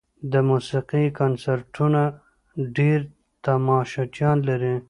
د موسیقۍ کنسرتونه ډېر تماشچیان لري.